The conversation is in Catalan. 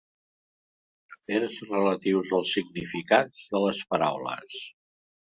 Afers relatius als significats de les paraules.